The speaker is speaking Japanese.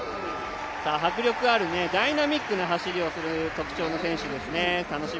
迫力あるダイナミックな走りをするのが特徴の選手です。